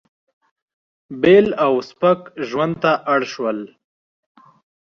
بېل او سپک ژوند ته اړ شول.